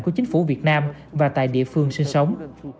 của chính phủ việt nam và tại địa phương sinh sống